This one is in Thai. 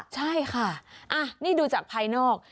ใช่ค่ะนี่ดูจากภายนอก